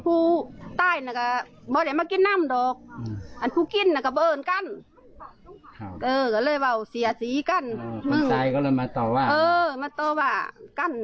ภรรยาผู้ต้องหาบ้าน